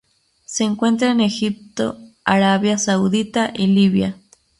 Se encuentra en Egipto Arabia Saudita y Libia.